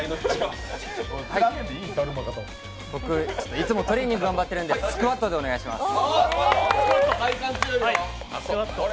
いつもトレーニング頑張ってるんでスクワットでお願いします。